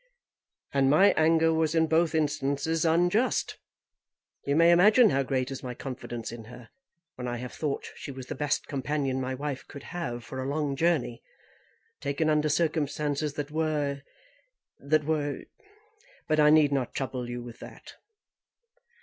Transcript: "And my anger was in both instances unjust. You may imagine how great is my confidence in her, when I have thought she was the best companion my wife could have for a long journey, taken under circumstances that were that were ; but I need not trouble you with that."